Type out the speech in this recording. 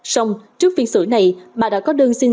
xong trước phiên xử này bà đã có đơn xin